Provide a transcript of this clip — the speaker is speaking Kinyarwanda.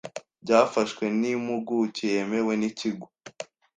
byafashwe n impuguke yemewe n Ikigo